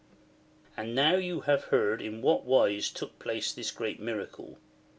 ^ And now you have heard in what wise took place this great miracle.